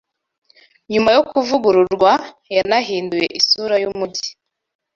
nyuma yo kuvugururwa yanahinduye isura y’umujyi